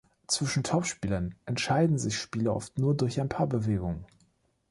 Zwischen Topspielern entscheiden sich Spiele oft nur durch ein paar Bewegungen.